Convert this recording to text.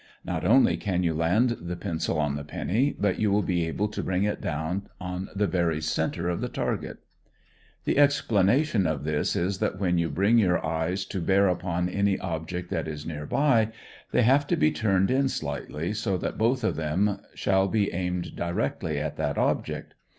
Not only can you land the pencil on the penny, but you will be able to bring it down on the very center of the target. The explanation of this is that when you bring your eyes to bear upon any object that is near by, they have to be turned in slightly, so that both of them shall be aimed directly at that object.